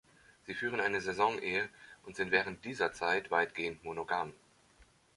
Sie führen eine Saisonehe und sind während dieser Zeit weitgehend monogam.